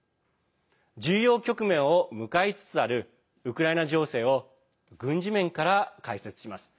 重要局面を迎えつつあるウクライナ情勢を軍事面から解説します。